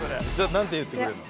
なんて言ってくれるの？